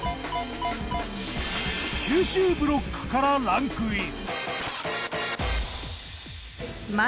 九州ブロックからランクイン。